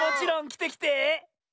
きてきて。